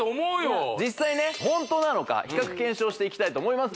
実際ねホントなのか比較検証していきたいと思います